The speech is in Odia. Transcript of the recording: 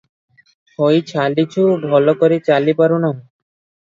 ହୋଇ ଛାଲୁଛି, ଭଲ କରି ଚାଲି ପାରୁନାହିଁ ।